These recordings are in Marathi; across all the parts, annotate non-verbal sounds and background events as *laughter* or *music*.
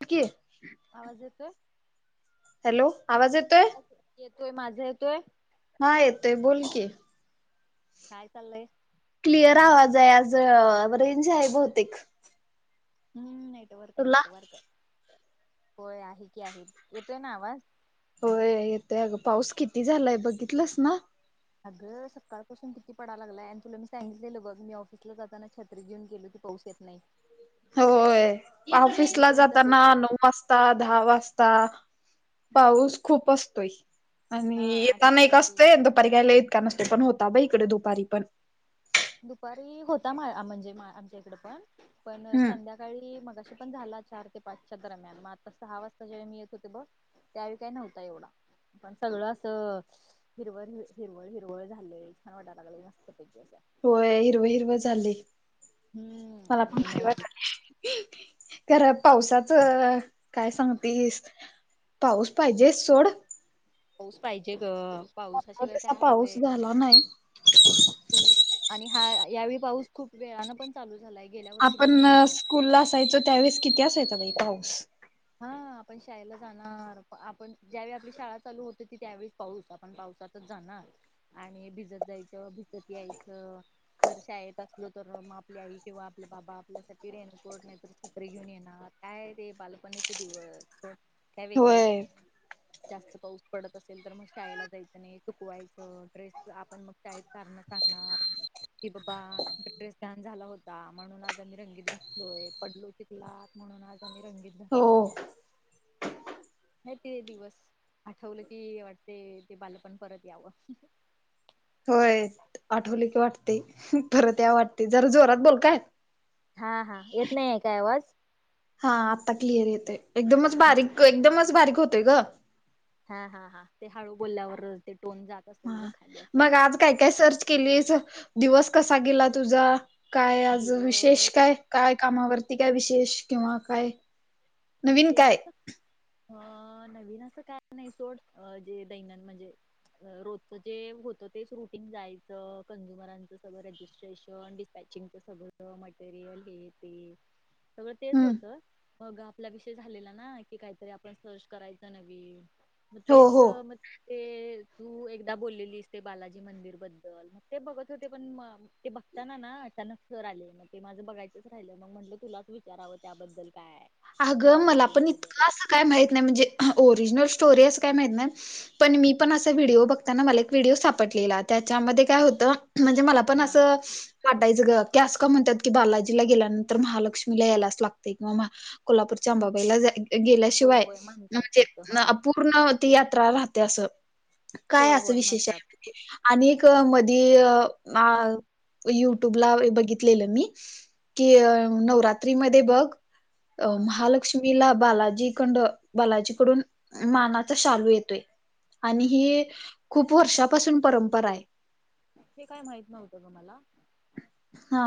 *unintelligible* आवाज येतोय? हॅलो. आवाज येतोय? येतोय. माझा येतोय? हा येतोय. बोल की. काय चाललंय? क्लिअर आवाज आहे आज. रेंज आहे बहुतेक. हम्म. नेटवर्क तुला नेटवर्क. होय आहे की आहे. येतोय ना आवाज? होय येतय अगं. पाऊस किती झालाय बघितलंस ना. अगं सकाळपसून किती पडा लागलाय आणि तुला मी सांगितलेलं बघ मी ऑफसला जाताना छत्री घेऊन गेल पाऊस येत नाही. होय. ऑफिस आणि ला सेम जाताना तसच नऊ वाज दहा वाजता पाऊस खूप असतोय. हा आणि येताना एक त्यावेळी असतोय. दुपारी काय लई इतका नसतोय पण होता बाई इकड दुपारी पण. दुपारी होता मा म्हणजे आमच्या इकडे पण. पण हम्म संध्याकाळी सकाळी मगाशी पण झाला चार ते पाचच्या दरम्यान, मग आता सहा वाजता जेव्हा मी येत होते बघ त्या वेळी काय नव्हता एवढा. पण सगळं असं हिरवळ हिरवळ हिरवळ झालय. छान वाटायला लागलय मस्तपैकी असं. होय. हिरवं हिरवं झालंय. हम्म मला आणि पण भारी मग वाटालय. खर पावसाचं काय सांगतीस. पाऊस पाहिजेचं सोड. पाऊस पाहिजे ग. पाहिजे पावसाशिवाय काय तसा हाय पाऊस झाला नाही. हो. आणि हा यावेळी पाऊस खूप वेळान पण चालू झालाय. गेल्या वर्षी बघ आपण ना स्कूल ला असायचो त्यावेळेस किती असायचा बाई पाऊस. हा. आपण शाळेला जाणार. आपण ज्यावेळी आपली शाळा चालू होत होती, त्यावेळीस पाऊस. आपण पावसात जाणार आणि भिजत जायचं. भिजत यायचं. जर शाळेत असलो तर मग आपली आई किंवा आपले बाबा आपल्यासाठी रेण कोठ नाहीतर छत्री घेऊन येणार. काय ते बालपणीचे दिवस हं काय वेगळेच होय. जास्त पाऊस पडत असेल तर मग शाळेला जायचं नाही चुकवायचं ड्रेस आपण मग शाळेत. करण सांगणार. कि बाबा ड्रेस ध्यान झाला होता म्हणून आज आम्ही रंगीत घातलोय पडलो ती ''--'' लात म्हणून आज आम्ही रंगीत हो घातलोय. नाही ते दिवस आठवलं की वाटते ते बाल पण परत यावं. होय आठवली की वाटते परत या वाटते जरा जोरात बोल काय. हा हा, येत नाहीय काय आवाज. हा आत्ता क्लिअर येतय एकदमच बारीक एकदमच बारीक होतय ग. हा हा हा, ते हळू बोलल्यावर ते टोन जात''--'' असेल ग हा खाली असं मग आज काय काय सर्च केलीच दिवस कसा गेला तुझा. काय आज विशेष दिवस काय काय कामावरती काय विशेष किंवा काय. नवीन विशेष काय असं. अ नवीन असं काय नाही सोड जे दैनंद म्हणजे. अ रोजचं जे होतं तेच रुटीन जायचं कंझ्युमरांचं सगळं रेजिस्ट्रेशन डिस्पॅचिंग. सगळं मटेरियल हे ते. ह *inaudible* सगळं तेच होतं बघा. आपला विषय झालेला ना की काहीतरी आपण सर्च करायच नवी मग हो तेच हो. म''--'' ते तू एकदा बोललेलीस बालाजी मंदिर बद्दल मग ते बघत होते पण म. ते बघताना ना अचानक सर आले मग ते माझं बघायचंच राहिलं मग म्हंटलं तुलाच विचारावं त्याबद्दल काय. अगं मला नॉलेज पण वगैरे इतकं असं काय माहित नाही म्हणजे हा ओरिजिनल स्टोरी असं काय माहित नाही. पण मी पण असा व्हिडिओ बघताना मला एक व्हिडिओ सापडलेला त्याच्यामध्ये काय होतं. म्हणजे मला पण हा असं. वाटायचं ग की असं का म्हणतात की बालाजीला गेल्यानंतर महालक्ष्मीला यायलाच लागते किंवा. कोल्हापूरच्या अंबाबाईला ज गे होय गेल्याशिवाय होय म्हणतात म्हणजे तसं हा आ पू''--'' पूर्णावती यात्रा राहते असं काय होय असं होय विशेष म्हणतात हाय. अनेक मधी आ. युट्यूबला बघितलेलं मी की नवरात्री मधे बघ. अ हा महालक्ष्मीला बालाजी कंड बालाजीकडून मानाचा शालू येतोय. आणि ही खूप वर्षापासून परंपरा आहे. हे काय माहित नव्हतं ग मला. हा,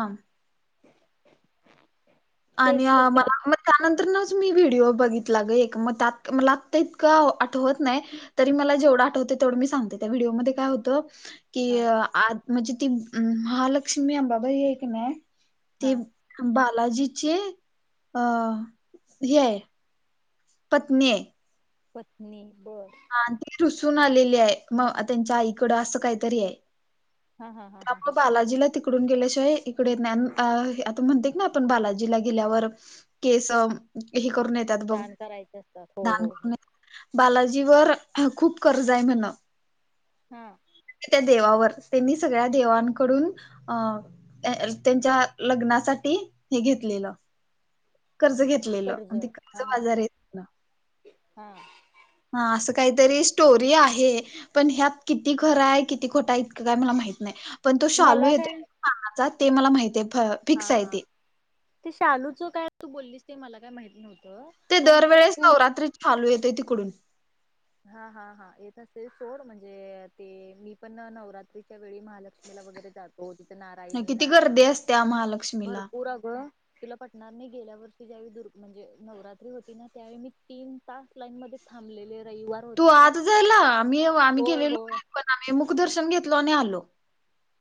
*inaudible* आणि *unintelligible* मग त्या आमाला त्यानंतरनच मी व्हिडिओ बघितला ग एक मग त्यात मला आता इतकं व आठवत नाही. तरी मला जेवढं आठवते तेवढं मी सांगते त्या व्हिडिओमध्ये काय होतं. की हा आत म्हणजे ती महालक्ष्मीबाबा हे क नाही हा ते. बालाजीचे अ हे हाय. पत्नी हाय. पत्नी होय. आ ती रुसून आलेली आहे मग त्यांच्या आईकडं असं काहीतरी आहे. हा हा हा हा हा आपलं बालाजीला ती. इकडून गेल्याशिवाय इकडे येत नाही आन अ हे म्हणते ना आपण बालाजीला गेल्यावर. केस हे करून येतात बघ दान करायचे असतात हो दान हो करून येत्यात. बालाजीवर खूप कर्ज आहे म्हण ह ते त्या देवावर त्यांनी सगळ्या देवांकडून अ त्या त्यांच्या लग्नासाठी हे घेतलेलं कर्ज घेतलेलं कर्ज आणि ते कर्ज हा हा बाजरी आहेत. हा हा असं काहीतरी स्टोरी आहे पण ह्यात किती खराय किती खोटाय इतकं काय मला माहित नाही पण तो शालू मला येते काय पानाचा ते मला माहितेय फ हा ते शालूचं काय तू बोललीस ते मला काय माहीत नव्हतं ते पण दरवेळेस तू नवरात्री शालू येतोय तिकडून. हा हा हा येत असेल सोड म्हणजे ते मी पण नवरात्रीच्या वेळी महाल मीला वगैरे जातो तिथं नारायणी किती गर्दी नारायणी अस असत्या महालक्ष्मीला भरपूर अगं तुला पटणार नाही गेल्या वर्षी ज्यावेळी दुर् म्हणजे नवरात्री होती ना त्यावेळी मी तीन तास लाईन मध्ये थांबलेले रईवार तू आज जायला आम्ही आम्ही गेलेलो होय काय पण आम्ही मुकदर्शन घेतलो आणि आलो.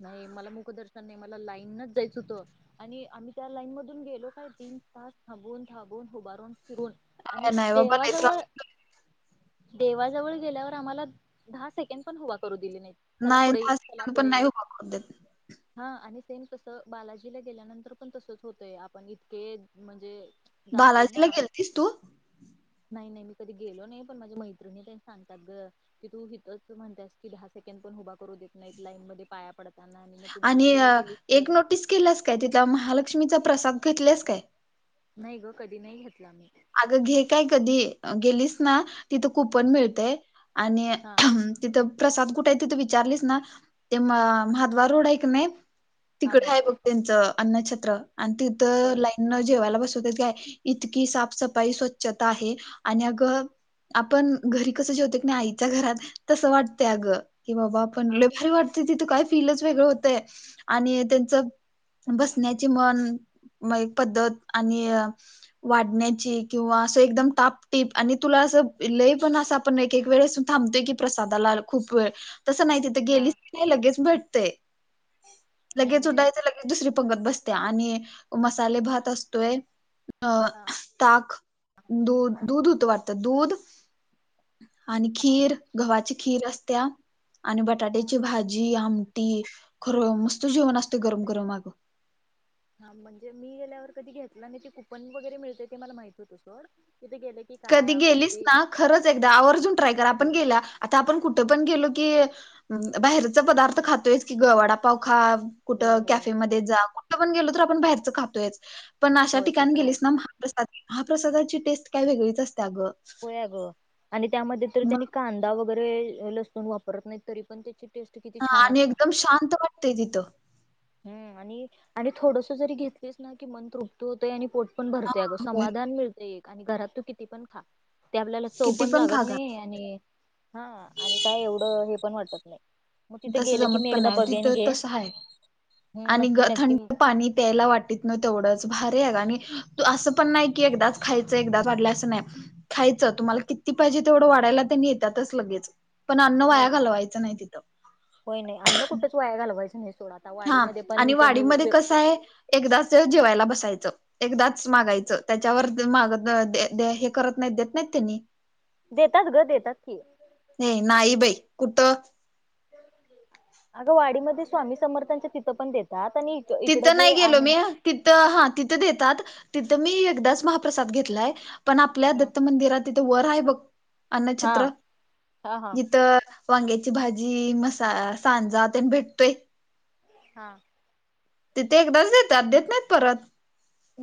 नाही मला मुकदर्शन नाही मला लाईनच जायचं हुत आणि आम्ही त्या लाईन मधून गेलो काय तीन तास थांबून थाबून हुबारून फिरून आणि नाही बाबा लय त्रास देवाजवळ देवाजवळ गेल्यावर आम्हाला दहा सेकंड पण उभा करू दिली नाही चला नाही पुढे दहा चला सेकंद पुढे *unintelligible* हा आणि सेम तसं बालाजीला गेल्यानंतर पण तसच होतंय आपण इतके म्हणजे जातोय बालाजीला ना गेलतीस तू नाही नाही मी कधी गेलो नाही पण माझी मैत्रिणी तेन सांगतात गं. की तू हितचं म्हणतास की दहा सेकंड पण उभा करू देत नाहीत लाईन मध्ये पाया ताना आणि मग तू आणि बालाजीला गेलीस एक तर नोटीस केल्यास काय, तिथल्या महालक्ष्मीचा प्रसाद घेतल्यास काय? नाही ग कधी नाही घेतला मी. अगं घे काय कधी गेलीस ना तिथं कूपन हा मिळतय आणि हा तिथं प्रसाद कुठाय तिथं विचारलीस ना ते म म्हादबा रोड हाय कनी हा तिकडे हा आहे बघ त्यांचं अन्नछत्र आणि तिथं बर लाइ न जेवायला बसवत्यात काय इतकी साफ-सफाई, स्वच्छता आहे आणि अग आपण घरी कसं जेवतोय कनी आईच्या घरात तसं वाटत अग की बाबा पण हा लई भारी वाटतय तिथं काय फीलच वेगळं होतय आणि त्यांच बसण्याची म्हण म पद्धत आणि वाढण्या ची किंवा अस एकदम टापटीप आणि तुला अस लई पण अस आपण एक एक वेळेस थांबतोय की प्रसादाला खूप वेळ तस नाही तथ गेलीस हा कनी लगेच भेटतय नाही लगेच नाही मी उडायच लगे दुसरी पंगत बसत्या आणि मसाले भात असतोय, अ हा ताक दूध दूध हुत वाटत दूध आणि हा खीर गव्हाची खीर असत्या आणि बटाट्याची भाजी, आमटी खरं मस्त जेवण असतय गरम गरम अगं हा म्हणजे मी गेल्यावर कधी घेतल नाही ते कूपन वगैरे मिळते ते मला माहित होतं सोड तिथे गेले की काय कधी आपण गेलीस ते ना खरंच एकदा आवर्जून ट्राय कर आपण गेला आता आपण कुठं पण गेलो की बाहेरच पदार्थ खातोयच की गं वाडापाव खा कुठ होय होय कॅफेमध्ये जा कुठं पण गेलो तर आपण बाहेरच खातोयच पण अशा होय ते ठिकाणी तर आहेच गेलीस ना म्हा प्रसाद म्हा प्रसादाची टेस्ट काय वेगळीच असते आगं होय आग आणि त्यामध्ये तर त्यांनी कांदा वगैरे लसुण वापरत नाही तरी पण त्याची टेस्ट किती छान असते. शांतपणे ते घेतो. हम आणि थोडस जरी घेतलीस ना की मन तृपत होतय आणि पोट पण हा भरतेय अगं होय समाधान मिळते एक आणि घरात तू किती पण खा ते आपल्याला चव किती पण खा लागत गा नाही आणि हा आणि काय एवढं हे पण वाटत नाही मग तिथे तस गेलं की जमत मी पण एकदा आहे बघेन तिथं घे तस आहे हम्म, आणि नक्की ग नक्की थंड पाणी प्यायला वाटी तेवढंच भार आहे ग आणि तू असं पण नाही की एकदाच खायचं एकदाच वाढल्या असं नाही. खायचं तुम्हाला किती पाहिजे तेवढं वाढायला त्यांनी येतातच लगेचं पण अन्न होय वाया घालवायचं नाही तिथं होय नाही अन्न कुठेच वाया घालवायचं नाही सोडा आता हा वाडीमध्ये पण आणि त्यांनी वे- वाडीमध्ये वे- कसं आहे एकदाच जेवायला बसायचं. एकदाच मागायचं त्याच्यावर माग हे करत नाही देत नाहीत त्यांनी देतात ग देतात की नाही बाई कुठं? अगं वाडीमध्ये स्वामी समर्थांच्या तिथं पण देतात आणि इकडं तिथं जे नाही गेलो आहे ना मी तिथं हा तिथं देतात तिथं मी एकदाच महाप्रसाद घेतलाय. पण आपल्या हा दत्त मंदिरात तिथे वर आहे बघ हा अन्नछत्र हा हा जिथं वांग्याची भाजी मसा सांजा तेन भेटतोय. हा तिथं एकदाच देतात देत नाहीत परत.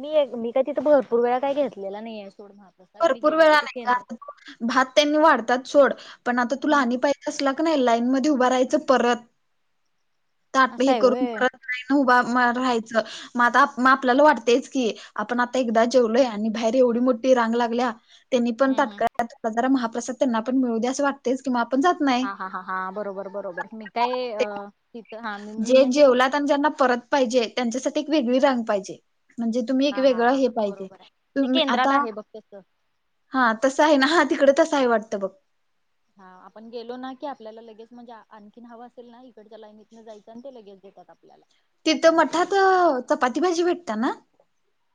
मी एक मी का तिथं भरपूर वेळा काय घेतलेला नाहीय आहे सोड महाप्रसाद मी भरपूर गेली की वेळा ते नाही का केंद्र भात त्यांनी वाढतात सोड पण आता तुला हम्म आणि पाहिजे असला. नाही लाईन म उभ राहायच परत ताट असं हे आहे करून व्हय परत का ना उभा राहायचं म आपल्याला वाटतेच की आपण आता एकदाच जेवलोया आणि बाहेर एवढी मोठी रांग लागल्या त्यांनी पण हम्म हम्म तकाळ्यात महाप्रसाद त्यांना पण मिळवू द्या असं वाटत. तेच किंवा आपण जात नाही. हा हा हा हा बरोबर बरोबर मी काय अ तिथं हा मी मी जे म्हणजे ति जेवलात आणि ज्यांना परत पाहिजे त्यांच्यासाठी एक वेगळी रांग पाहिजे म्हणजे तुम्ही एक हा हा वेगळं हा हे हा पाहिजे बरोबर आहे ते तुम् केंद्रात आता आहे बघ तसं हा तसं आहे ना हा तिकडे तसं आहे वाटतं बघ हा आपण गेलो ना की आपल्याला लगेज म्हणजे आणखीन हवं असेल ना इकडच्या लाईनीतनं जायचं आणि ते लगेज देतात आपण तिथं मठात चपाती भाजी भेटत ना?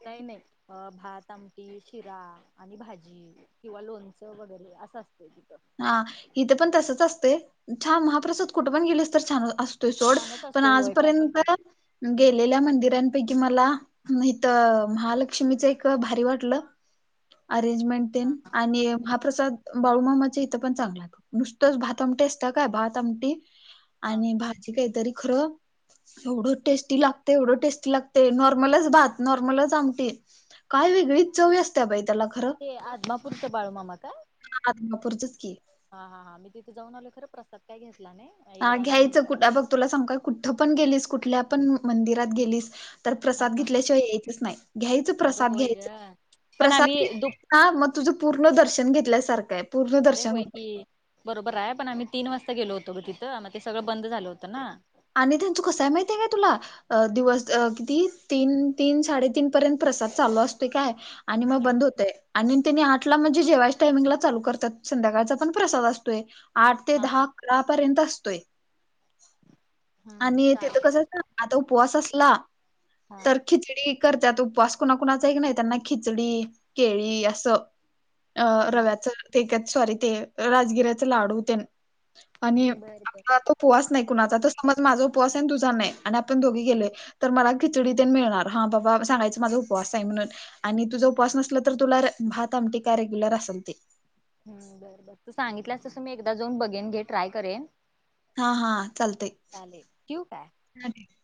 नाही नाही. अ भात आमटी शिरा आणि भाजी किंवा लोणचं वगैरे असं असतंय तिथं हा इथे पण तसच असते छान महाप्रसाद कुठे पण गेलेस तर छान असतो. त सोड छानच पण असतोय होय काय पण आजपर्यंत गेलेल्या मंदिरांपैकी मला नाही तर महालक्ष्मीच एक भारी वाटलं अरेंजमेंट हा आणि महाप्रसाद बाळू मामा इथं पण चांगल नुसतंच भात आमटी असत काय भात आमटी हा आणि भाजी काहीतरी खरं एवढं टेस्टी लागते एवढं टेस्टी लागतय नॉर्मलच भात नॉर्मलच आमटी काय वेगळीच चवी असते बाई त्याला खरं ते आदमापुरचे नपुुरष बाळूमामा का? आदमापुरचे की हा हा हां मी तिथे जाऊन आलो खरं प्रस्ताद काय घेतला नाही. ह एकदा आम्ही घ्यायचं कुठ उन्हाळ्यात बघ तुला सांग का कुठं पण गेलीस कुठल्या पण मंदिरात गेलीस. तर हा प्रसाद हा घेतल्याशिवाय यायचच नाही. घ्यायचं अगं प्रसाद होय ग घ्यायच. पण प्रसाद आम्ही घ दुप हा मग तुझं पूर्ण दर्शन घेतल्यासारखं आहे. पूर्ण अरे दर्शन होय की बरोबर आहे. पण आम्ही तीन वाजता गेलो होतो ग तिथं. मग ते सगळं बंद झालं होतं ना? आणि त्यांचं कसंय माहितीय काय तुला? अ हा दिवस किती तीन तीन साडेतीन पर्यंत प्रसाद चालू असतोय काय? आणि मग हा बंद होतय. आणि त्यांनी आठ ला म्हणजे जे वायच्या टायमिंगला चालू करतात संध्याकाळचा पण प्रसाद असतोय. आठ ते हा दहा - अकरा पर्यंत असतोय. हम्म हम्म आणि तेथ चालते कसं आता उपवास असला हा तर खिचडी करत्यात उपवास कुणा -कुणाचाही की नाही त्यांना खिचडी केळी असं अ बर रव्याच ते क सॉरी ते राजगिऱ्याच लाडू तेन आणि बर बर आपला आता उपवास नाही कुणाचा? तर समज माझा उपवास आहे आणि तुझा नाही आणि आपण दोघी गेलोय तर मला खिचडी तेन मिळणार हा बाबा सांगायचं माझा उपवास आहे म्हणून आणि तुझं उपवास नसला तर तुला भात आमटी काय रेग्युलर असेल ते. हम बरं बर तू सांगितल्यास तसं मी एकदा जाऊन बघेन घे. ट्राय करेन. हा हा चालतंय चाले ठेऊ काय? *unintelligible*